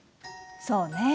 そうね。